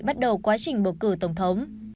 bắt đầu quá trình bầu cử tổng thống